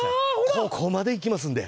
ここまで行きますんで。